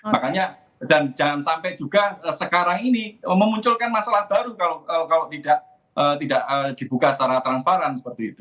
makanya dan jangan sampai juga sekarang ini memunculkan masalah baru kalau tidak dibuka secara transparan seperti itu